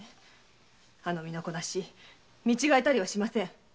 あの身のこなし見違えたりはしません！